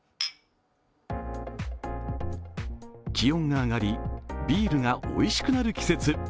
気温が上がり、ビールがおいしくなる季節。